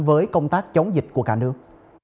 với công tác chống dịch của cả nước